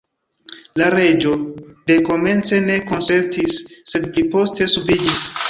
La reĝo dekomence ne konsentis, sed pli poste subiĝis.